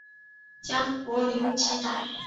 子卜怜吉歹。